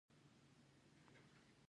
هغه د شګوفه په سمندر کې د امید څراغ ولید.